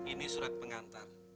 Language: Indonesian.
ini surat pengantar